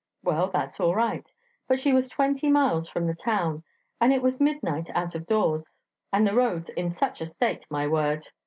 Well, that's all right. But she was twenty miles from the town, and it was midnight out of doors, and the roads in such a state, my word!